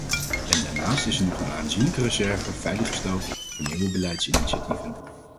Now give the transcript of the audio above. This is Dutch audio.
En daarnaast is er nog een aanzienlijke reserve veiliggesteld voor nieuwe beleidsinitiatieven.